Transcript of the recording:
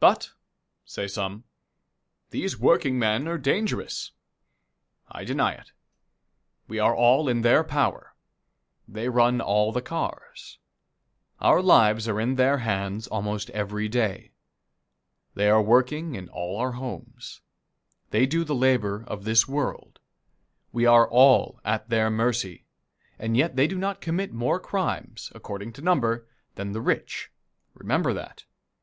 "But," say some, "these workingmen are dangerous." I deny it. We are all in their power. They run all the cars. Our lives are in their hands almost every day. They are working in all our homes. They do the labor of this world. We are all at their mercy, and yet they do not commit more crimes, according to number, than the rich. Remember that.